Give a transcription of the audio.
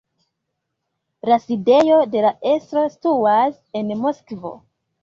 La sidejo de la estro situas en Moskvo.